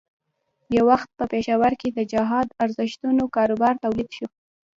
یو وخت په پېښور کې د جهاد ارزښتونو کاروبار تود شو.